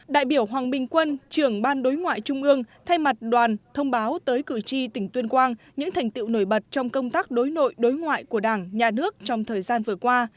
đại biểu hoàng bình quân trưởng ban đối ngoại trung ương thay mặt đoàn thông báo tới cử tri tỉnh tuyên quang những thành tiệu nổi bật trong công tác đối nội đối ngoại của đảng nhà nước trong thời gian vừa qua